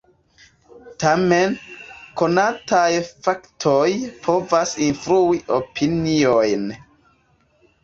Tamen, konataj faktoj povas influi opiniojn.